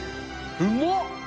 うまっ。